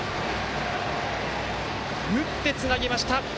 打ってつなぎました。